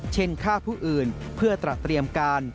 ฆ่าผู้อื่นเพื่อตระเตรียมการ